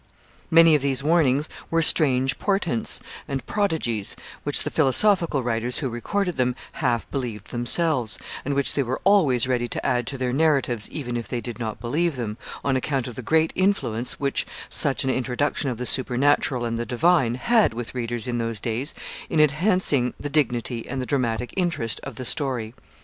Many of these warnings were strange portents and prodigies, which the philosophical writers who recorded them half believed themselves, and which they were always ready to add to their narratives even if they did not believe them, on account of the great influence which such an introduction of the supernatural and the divine had with readers in those days in enhancing the dignity and the dramatic interest of the story.